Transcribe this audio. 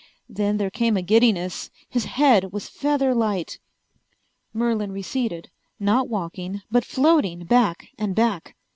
Then there came a giddiness. His head was feather light. Merlin receded, not walking but floating back and back.